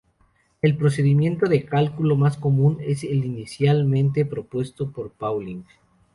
El procedimiento de cálculo más común es el inicialmente propuesto por Pauling.